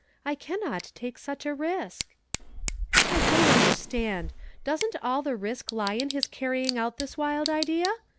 "S cannot take such a risk." '■"luim "I don't understand. Doesn't all the risk lie n us carrying out this wild idea